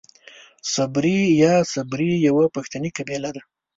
صبري يا سبري يوۀ پښتني قبيله ده.